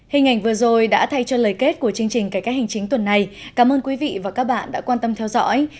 hình ảnh vừa rồi đã thay cho lời kết của chương trình cải các hành chính tuần này cảm ơn quý vị và các bạn đã quan tâm theo dõi xin kính chào và hẹn gặp lại